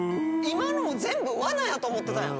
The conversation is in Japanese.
今のも全部わなやと思ってたんや？